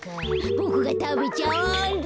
ボクがたべちゃおう。